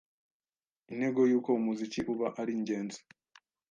intego y'uko umuziki uba ari ingenzi